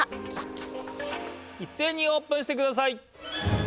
いっせいにオープンしてください！